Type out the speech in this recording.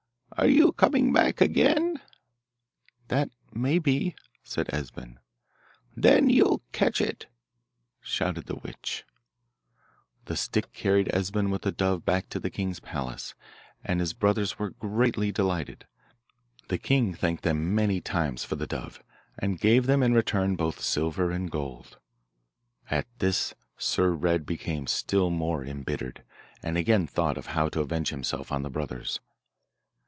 'Are you coming back again?' 'That may be,' said Esben. 'Then you'll catch it,' shouted the witch. The stick carried Esben with the dove back to the king's palace, and his brothers were greatly delighted. The king thanked them many times for the dove, and gave them in return both silver and gold. At this Sir Red became still more embittered, and again thought of how to avenge himself on the brothers.